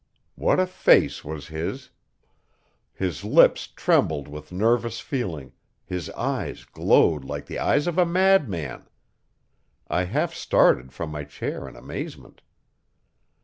What a face was his! His lips trembled with nervous feeling, his eyes glowed like the eyes of a madman. I half started from my chair in amazement.